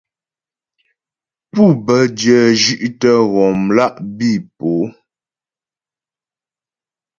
Pû bə́ dyə̂ zhí'tə ghɔmlá' bǐ po.